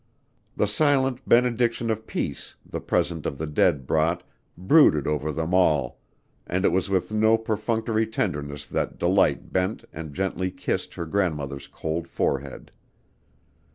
The silent benediction of peace the presence of the dead brought brooded over them all, and it was with no perfunctory tenderness that Delight bent and gently kissed her grandmother's cold forehead.